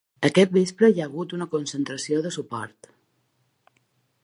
Aquest vespre hi ha hagut una concentració de suport.